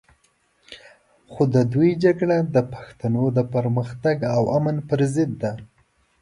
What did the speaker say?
خو د دوی جګړه د پښتنو د پرمختګ او امن پر ضد ده.